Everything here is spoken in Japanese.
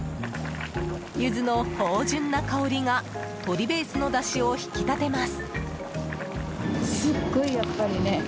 ユズの芳醇な香りが鶏ベースのだしを引き立てます。